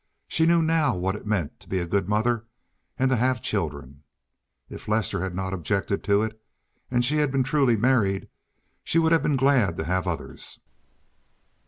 She knew now what it meant to be a good mother and to have children. If Lester had not objected to it, and she had been truly married, she would have been glad to have others.